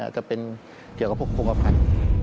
จะเป็นเกี่ยวกับฮงคพรรณ